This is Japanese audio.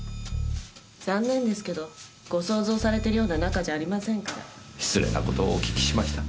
残念ですけどご想像されてるような仲じゃありませんから。失礼な事をお訊きしました。